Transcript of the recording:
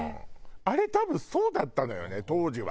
あれ多分そうだったのよね当時は。